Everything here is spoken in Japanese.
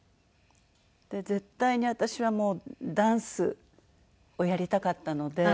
絶対に私はもうダンスをやりたかったので。